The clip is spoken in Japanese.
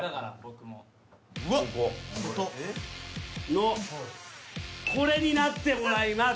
のこれになってもらいます。